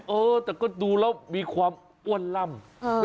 เออแต่ก็ดูแล้วมีความอ้วนล่ำ